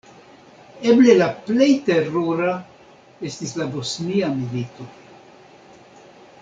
Eble la plej terura estis la Bosnia Milito.